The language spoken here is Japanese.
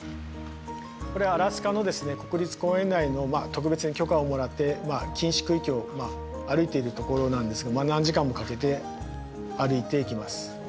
これはアラスカの国立公園内の特別に許可をもらってまあ禁止区域を歩いているところなんですが何時間もかけて歩いていきます。